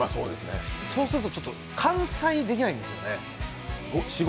そうすると完済できないんですよね。